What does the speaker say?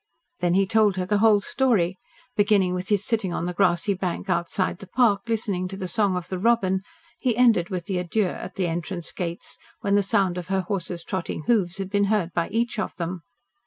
Then he told her the whole story. Beginning with his sitting on the grassy bank outside the park, listening to the song of the robin, he ended with the adieux at the entrance gates when the sound of her horse's trotting hoofs had been heard by each of them.